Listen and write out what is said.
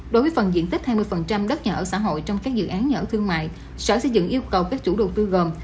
đối với phần diện tích hai mươi đất nhà ở xã hội trong các dự án nhà ở thương mại sở xây dựng yêu cầu các chủ đầu tư gồm